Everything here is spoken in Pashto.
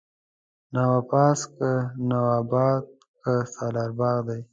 نواپاس، که نواباد که سالار باغ دی